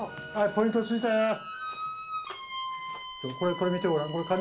これ見てごらん。